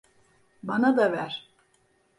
Bana da ver.